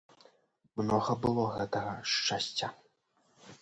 Многа было гэтага шчасця.